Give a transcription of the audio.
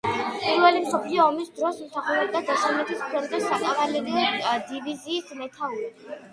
პირველი მსოფლიო ომის დროს მსახურობდა დასავლეთის ფრონტზე საკავალერიო დივიზიის მეთაურად.